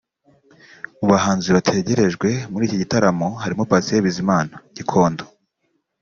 Mu bahanzi bategerejwe muri iki gitaramo harimo Patient Bizimana (Gikondo)